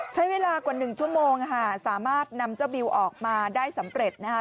ใช้เวลากว่า๑ชั่วโมงสามารถนำเจ้าบิวออกมาได้สำเร็จนะคะ